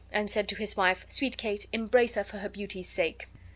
and said to his wife, "Sweet Kate, embrace her for her beauty's sake."